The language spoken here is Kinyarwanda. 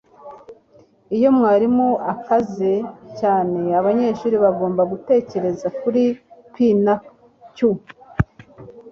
iyo mwarimu akaze cyane, abanyeshuri bagomba gutekereza kuri p na q